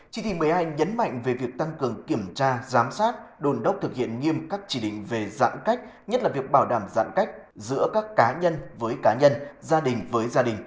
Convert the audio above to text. chỉ thị một mươi hai nhấn mạnh về việc tăng cường kiểm tra giám sát đồn đốc thực hiện nghiêm các chỉ định về giãn cách nhất là việc bảo đảm giãn cách giữa các cá nhân với cá nhân gia đình với gia đình